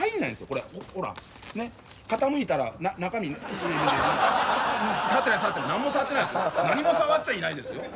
これほらねっ傾いたら中身触ってない触ってない何も触っちゃいないですよ